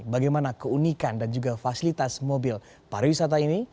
bagaimana keunikan dan juga fasilitas mobil pariwisata ini